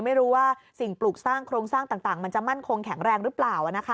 ไม่รู้ว่าสิ่งปลูกสร้างโครงสร้างต่างมันจะมั่นคงแข็งแรงหรือเปล่า